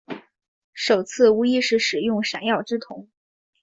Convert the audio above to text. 首次无意识使用闪耀之瞳。